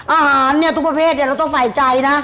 อาหารเนี่ยทุกประเภทเราต้องใส่ใจนะ